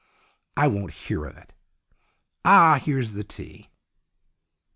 I won't hear of it. Ah, here's the tea